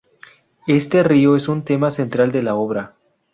Este río es un tema central de la obra.